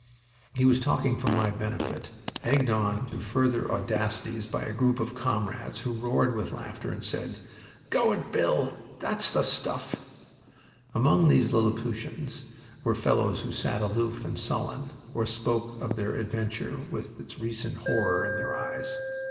He was talking for my benefit, egged on to further audacities by a group of comrades who roared with laughter and said: "Go it, Bill! That's the stuff!" Among these Lilliputians were fellows who sat aloof and sullen, or spoke of their adventure with its recent horror in their eyes.